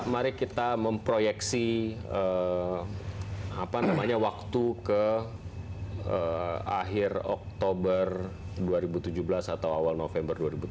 mari kita memproyeksi waktu ke akhir oktober dua ribu tujuh belas atau awal november dua ribu tujuh belas